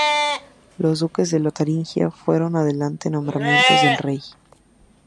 Los duques de Lotaringia fueron en adelante nombramientos del rey.